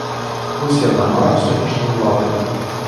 Вось яна, мараль сённяшняй улады!